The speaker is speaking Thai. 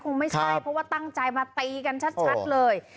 คงไม่ใช่เพราะว่าตั้งใจมาตีกันชัดเลย